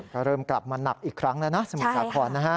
ก็เริ่มกลับมาหนักอีกครั้งแล้วนะสมุทรสาครนะฮะ